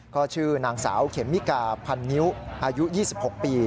ก็ชื่อนางสาวเขมมิกาพันนิ้วอายุ๒๖ปี